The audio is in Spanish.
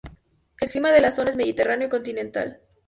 El clima de la zona es Mediterráneo Continental.